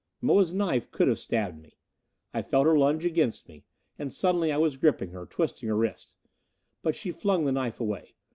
Moa's knife could have stabbed me. I felt her lunge against me; and suddenly I was gripping her, twisting her wrist. But she flung the knife away.